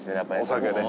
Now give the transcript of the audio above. お酒で。